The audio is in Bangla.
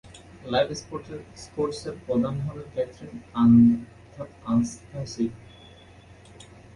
লাইভ স্পোর্টসের প্রধান হলেন ক্যাথরিন আনস্তাসী।